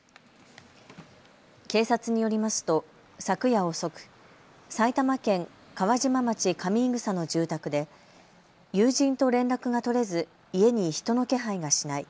警察によりますと昨夜遅く埼玉県川島町上伊草の住宅で友人と連絡が取れず家に人の気配がしない。